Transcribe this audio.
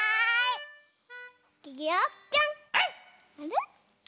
あれ？